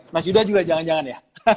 mas yuda juga jangan jangan ya